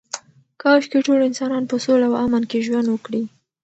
کاشکې ټول انسانان په سوله او امن کې ژوند وکړي.